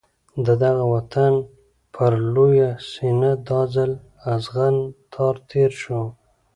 د دغه وطن پر لویه سینه دا ځل اغزن تار تېر شو.